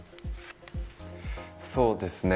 そうですね。